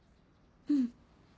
うん。